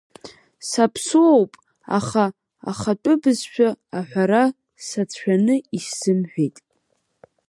Саԥсуоуп, аха ахатәы бызшәа аҳәара сацәшәаны исзымҳәит.